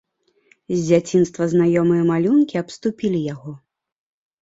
З дзяцінства знаёмыя малюнкі абступілі яго.